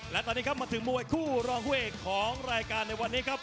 และตอนนี้มาถึงมวยคู่รอเว่ย์ของรายการในวันนี้